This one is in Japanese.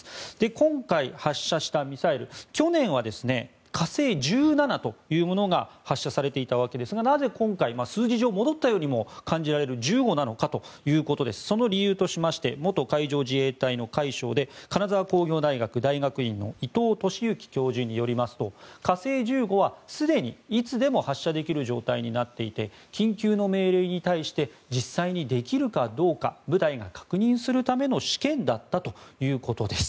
今回、発射したミサイル去年は火星１７というものが発射されていたわけですがなぜ今回数字上戻ったようにも感じられる１５なのかということでその理由としまして元海上自衛隊の海将で金沢工業大学大学院の伊藤俊幸教授によりますと火星１５は、すでにいつでも発射できる状態になっていて緊急の命令に対して実際にできるかどうか部隊が確認するための試験だったということです。